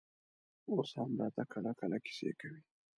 اوس هم راته کله کله کيسې کوي.